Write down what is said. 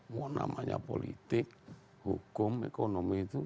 pokoknya politik hukum ekonomi itu